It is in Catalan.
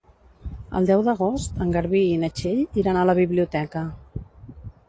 El deu d'agost en Garbí i na Txell iran a la biblioteca.